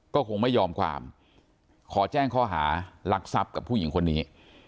ก็คงไม่ยอมความขอแจ้งข้อหารักทรัพย์กับผู้หญิงคนนี้